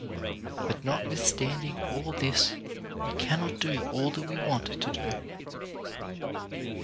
But notwithstanding all this we can not do all that we want to do.